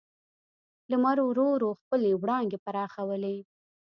لمر ورو ورو خپلې وړانګې پراخولې.